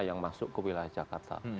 yang masuk ke wilayah jakarta